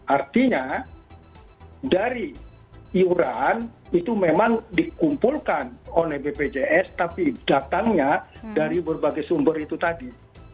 artinya dari iuran itu memang dikumpulkan oleh bpjs tapi datangnya dari berbagai sumber itu tadi